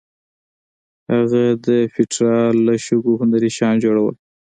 هغه د پېټرا له شګو هنري شیان جوړول.